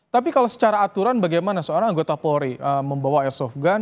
tapi kalau secara aturan bagaimana seorang anggota polri membawa airsoft gun